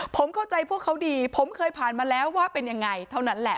ผมเข้าใจพวกเขาดีผมเคยผ่านมาแล้วว่าเป็นยังไงเท่านั้นแหละ